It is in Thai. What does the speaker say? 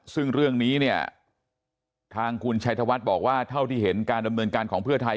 ซึ่งเรื่องนี้เนี่ยทางคุณชัยธวัฒน์บอกว่าเท่าที่เห็นการดำเนินการของเพื่อไทย